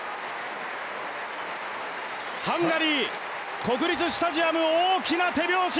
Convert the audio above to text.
ハンガリー国立スタジアム、大きな手拍子。